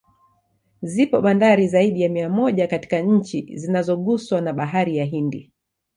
Zipo bandari zaidi ya mia moja katika chi zinazoguswa na Bahari ya Hindi